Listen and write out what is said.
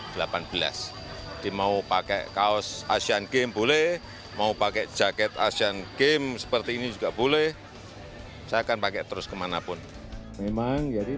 jadi mau pakai kaos asian games boleh mau pakai jaket asian games seperti ini juga boleh saya akan pakai terus kemanapun